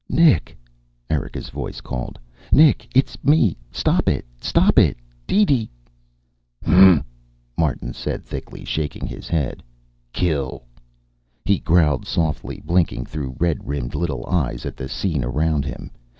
"Nick!" Erika's voice called. "Nick, it's me! Stop it! Stop it! DeeDee " "Ugh?" Martin said thickly, shaking his head. "Kill." He growled softly, blinking through red rimmed little eyes at the scene around him.